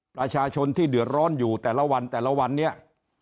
ประชาชนที่เดือดร้อนอยู่แต่ละวันแต่ละวันเนี่ย